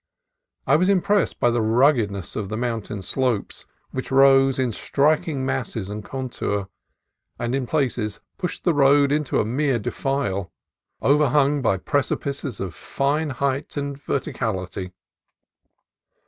I was impressed by the ruggedness of the mountain slopes, which rose in striking mass and contour, and in places pushed the road into a mere defile, overhung by precipices of fine height and ver ticality.